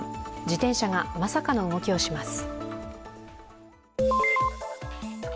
自転車がまさかの動きをします。